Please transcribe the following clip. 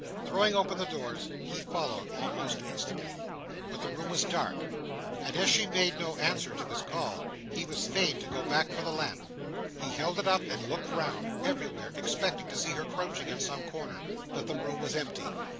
Throwing open the doors, he followed, almost instantly. But the room was dark; and as she made no answer to his call, he was fain to go back for the lamp. He held it up, and looked round, everywhere, expecting to see her crouching in some corner; but the room was empty.